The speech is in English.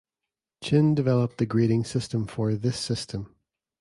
Chin developed the grading system for this system.